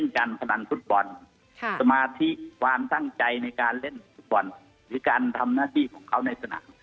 การพนันฟุตบอลสมาธิความตั้งใจในการเล่นฟุตบอลหรือการทำหน้าที่ของเขาในสนาม